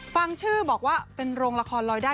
ฟังชื่อบอกว่าเป็นโรงละครลอยได้